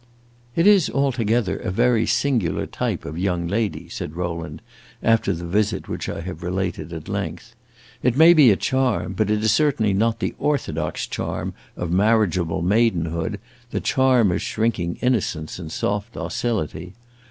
"It is altogether a very singular type of young lady," said Rowland, after the visit which I have related at length. "It may be a charm, but it is certainly not the orthodox charm of marriageable maidenhood, the charm of shrinking innocence and soft docility.